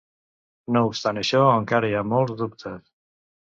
No obstant això encara hi ha molts dubtes.